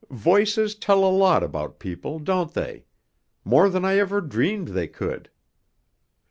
Voices tell a lot about people, don't they? more than I ever dreamed they could.